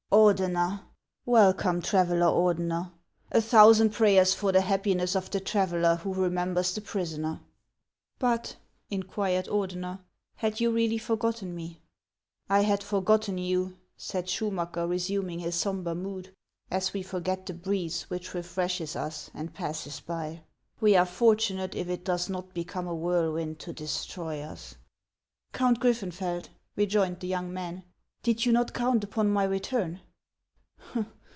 '• Ordener ! Welcome, traveller Ordener ! A thousand prayers for the happiness of the traveller who remembers the prisoner !"'• But," inquired Ordener, " had you really forgotten me ?*"" I had forgotten you," said Sehuniaeker, resuming his sombre mood. " as we forget the breeze which refreshes us and passes by : we are fortunate if it does not become a whirlwind to destroy us." '• Count Gviffeufeld." rejoined the young man, ~ did you not count upon my return